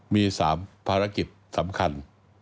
มี๓ภารกิจสำคัญ